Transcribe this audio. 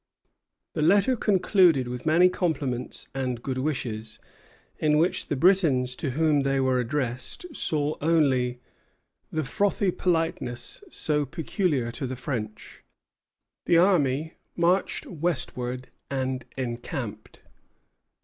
The letter concluded with many compliments and good wishes, in which the Britons to whom they were addressed saw only "the frothy politeness so peculiar to the French." The army marched westward and encamped.